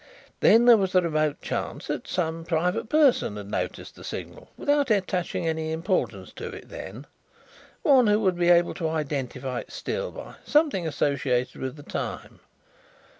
Then there was the remote chance that some private person had noticed the signal without attaching any importance to it then, one who would be able to identify it still by something associated with the time.